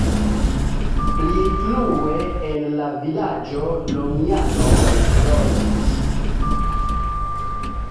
Pli frue en la vilaĝo romianoj loĝis.